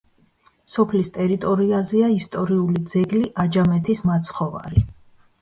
სოფლის ტერიტორიაზეა ისტორიული ძეგლი: „აჯამეთის მაცხოვარი“.